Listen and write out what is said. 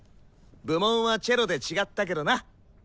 部門はチェロで違ったけどな。